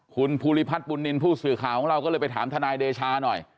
คุณภูริพัฒน์บุญนินทร์ผู้สื่อข่าวของเราก็เลยไปถามทนายเดชาหน่อย